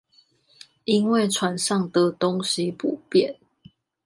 因為船上的東西不變